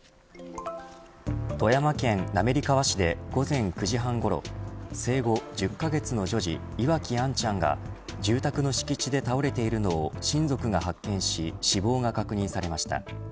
富山県滑川市で午前９時半ごろ生後１０カ月の女児岩城杏ちゃんが住宅の敷地で倒れているのを親族が発見し死亡が確認されました。